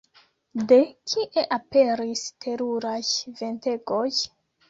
De kie aperis teruraj ventegoj?